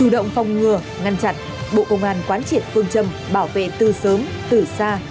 động phòng ngừa ngăn chặn bộ công an quán triệt phương châm bảo vệ từ sớm từ xa